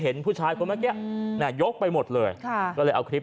เห็นผู้ชายคนเมื่อกี้ยกไปหมดเลยก็เลยเอาคลิป